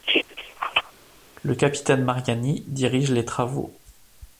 Le capitaine Mariani dirige les travaux.